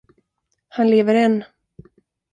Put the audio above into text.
Han lever än.